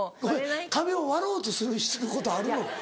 壁を割ろうとすることあるの？